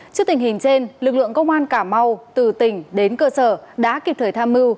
trước tình hình trên lực lượng công an cà mau từ tỉnh đến cơ sở đã kịp thời tham mưu